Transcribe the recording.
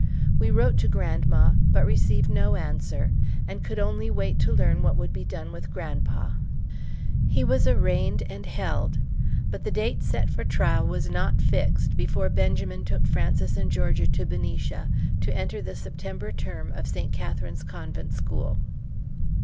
We wrote to grandma, but received no answer, and could only wait to learn what would be done with grandpa. He was arraigned and held; but the date set for trial was not fixed before Benjamin took Frances and Georgia to Benicia, to enter the September term of St. Catherine's Convent School.